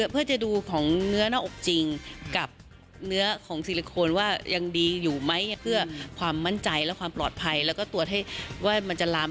เพื่อจะดูของเนื้อหน้าอกจริงกับเนื้อของซิลิโคนว่ายังดีอยู่ไหมเพื่อความมั่นใจและความปลอดภัยแล้วก็ตรวจให้ว่ามันจะลาม